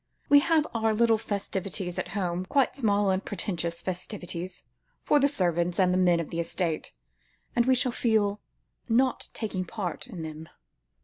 We have our little festivities at home, quite small, unpretentious festivities, for the servants and the men on the estate, and we shall feel not taking part in them."